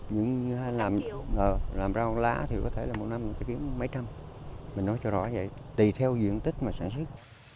những người làm rau lá thì có thể là một năm người ta kiếm mấy trăm mình nói cho rõ vậy tùy theo diện tích mà sản xuất